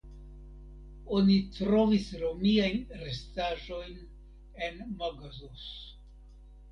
Oni trovis romiajn restaĵojn en Magazos.